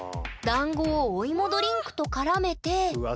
だんごをお芋ドリンクと絡めてうわ